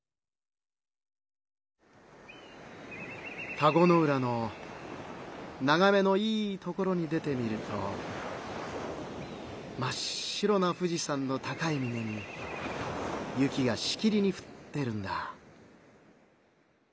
「田子の浦のながめのいいところに出てみるとまっ白な富士山の高いみねに雪がしきりに降ってるんだ」。